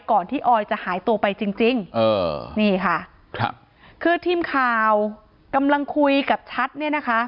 ก่อนที่ออยจะหายตัวไปจริงจริงเออนี่ค่ะครับคือทีมข่าวกำลังคุยกับชัดเนี่ยนะคะ